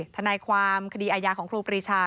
ทนายความคดีอาญาของครูปรีชา